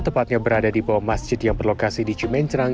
tepatnya berada di bawah masjid yang berlokasi di cimencrang